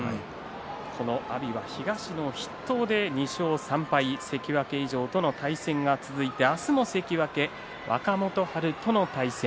この阿炎は東の筆頭で２勝３敗、関脇以上との対戦が続いて明日も関脇若元春との対戦。